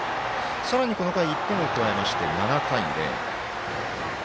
さらにこの回１点を加えまして７対０。